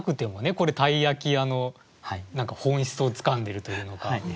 これ鯛焼屋の本質をつかんでるというのか。